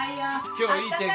今日はいい天気だ。